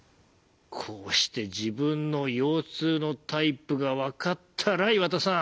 こうして自分の腰痛のタイプが分かったら岩田さん。